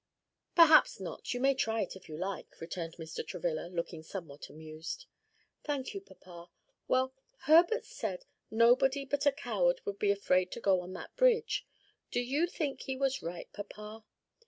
"Perhaps not; you may try it if you like," returned Mr. Travilla, looking somewhat amused. "Thank you, papa. Well, Herbert said nobody but a coward would be afraid to go on that bridge. Do you think he was right, papa?"